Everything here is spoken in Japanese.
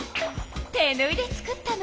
手ぬいで作ったの。